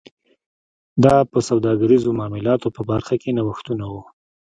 دا په سوداګریزو معاملاتو په برخه کې نوښتونه و